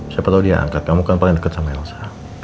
siapa tahu dia angkat kamu kan paling dekat sama elsa